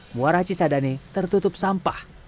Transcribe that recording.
muara cisadane tertutup sampah